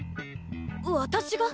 私が？